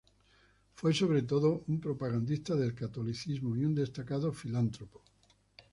Fue sobre todo un propagandista del catolicismo y un destacado filántropo.